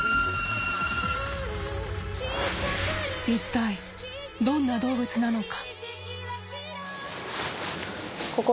一体どんな動物なのか。